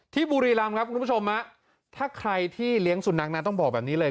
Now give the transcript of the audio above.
บุรีรำครับคุณผู้ชมถ้าใครที่เลี้ยงสุนัขนะต้องบอกแบบนี้เลย